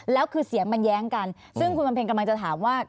แล้วคือเสียงมันแย้งกันซึ่งคุณบำเพ็ญกำลังจะถามว่า